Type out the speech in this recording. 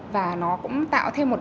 và nó cũng tạo thêm một đội